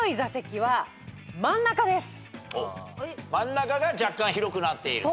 真ん中が若干広くなっている？